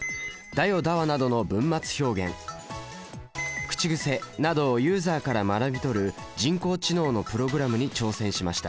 「だわ」などの文末表現口癖などをユーザーから学び取る人工知能のプログラムに挑戦しました。